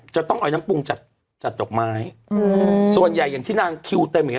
จะต้องเอาน้ำปรุงจัดจัดดอกไม้อืมส่วนใหญ่อย่างที่นางคิวเต็มอย่างเ